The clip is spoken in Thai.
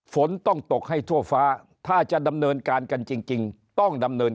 ฝนต้องตกให้ทั่วฟ้าถ้าจะดำเนินการกันจริงต้องดำเนิน